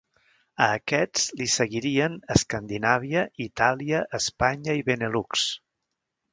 A aquests li seguirien Escandinàvia, Itàlia, Espanya i Benelux.